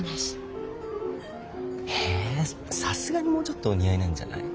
ええさすがにもうちょっとお似合いなんじゃない？